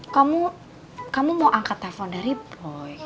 kamu kamu mau angkat telepon dari boy